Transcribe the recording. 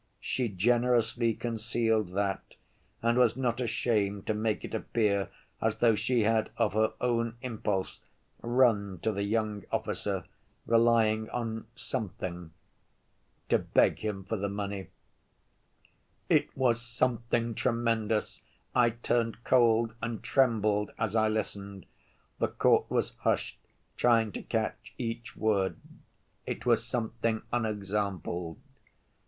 She generously concealed that and was not ashamed to make it appear as though she had of her own impulse run to the young officer, relying on something ... to beg him for the money. It was something tremendous! I turned cold and trembled as I listened. The court was hushed, trying to catch each word. It was something unexampled.